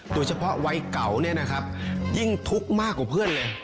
โดยเฉพาะวัยเก่าเนี่ยนะครับยิ่งทุกข์มากกว่าเพื่อนเลย